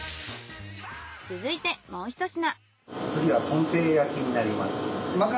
続いてもうひと品。